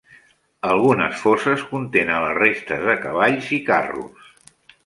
Algunes foses contenen les restes de cavalls i carros.